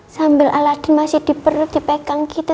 sambil aladin masih di perut dipegang gitu